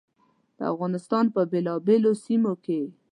د افغانستان په بېلابېلو سیمو کې.